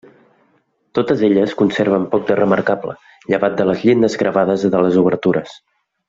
Totes elles conserven poc de remarcable, llevat de les llindes gravades de les obertures.